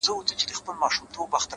صبر د هیلو ونې خړوبوي’